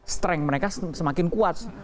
strength mereka semakin kuat